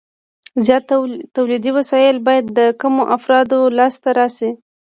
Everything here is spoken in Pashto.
زیات تولیدي وسایل باید د کمو افرادو لاس ته ورشي